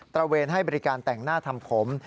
ระเวนให้บริการแต่งหน้าทำผม